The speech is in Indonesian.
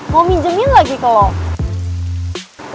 mau minjemin lagi kalau